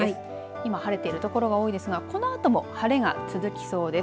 今晴れてる所が多いですがこのあとも晴れが続きそうです。